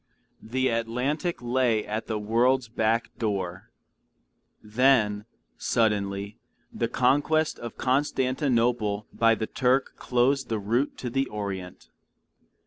The Atlantic lay at the world's back door. Then, suddenly, the conquest of Constantinople by the Turk closed the route to the Orient.